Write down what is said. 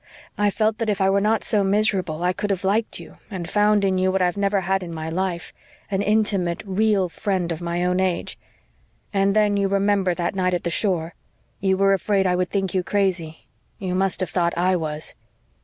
I felt that, if I were not so miserable, I could have liked you and found in you what I've never had in my life an intimate, REAL friend of my own age. And then you remember that night at the shore? You were afraid I would think you crazy. You must have thought I was."